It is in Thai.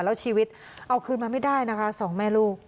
แล้วชีวิตเอาคืนมาไม่ได้นะคะสองแม่ลูก